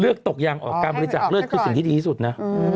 ตกยางออกการบริจาคเลือดคือสิ่งที่ดีที่สุดนะ